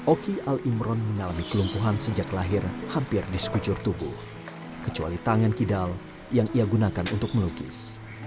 oki al imron mengalami kelumpuhan sejak lahir hampir di sekujur tubuh kecuali tangan kidal yang ia gunakan untuk melukis